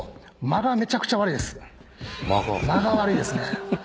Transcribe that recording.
間が悪いですね。